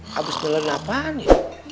habis beler apaan ya